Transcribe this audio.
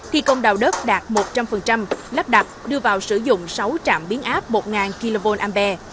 thi công đào đất đạt một trăm linh lắp đặt đưa vào sử dụng sáu trạm biến áp một kva